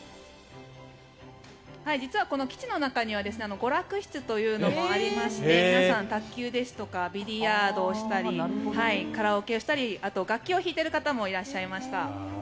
実は基地の中には娯楽室というのもありまして皆さん、卓球ですとかビリヤードをしたりカラオケをしたりあと、楽器を弾いている方もいらっしゃいました。